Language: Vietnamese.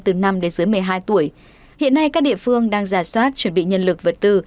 từ năm đến dưới một mươi hai tuổi hiện nay các địa phương đang giả soát chuẩn bị nhân lực vật tư